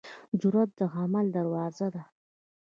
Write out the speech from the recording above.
جرئت د عمل دروازه ده.